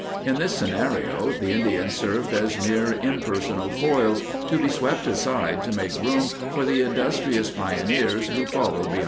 In this scenario, the Indians served as mere imper sonal foils, to be swept aside to make room for the industrious pioneers who followed behind the soldiers.